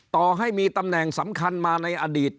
ต่อให้มีตำแหน่งสำคัญมาในอดีต